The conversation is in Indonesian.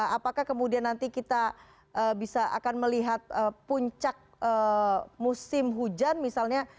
apakah kemudian nanti kita bisa akan melihat puncak musim hujan misalnya